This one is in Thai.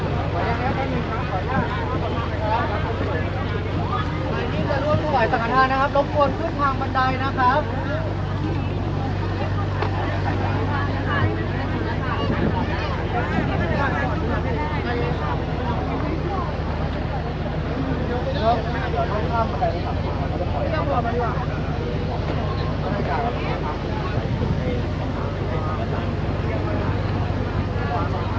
ตอนนี้จะร่วมหลายสังธารณ์นะครับรบกวนขึ้นทางบันไดนะครับ